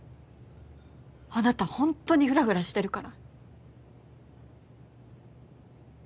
あなたホントにふらふらしてるから。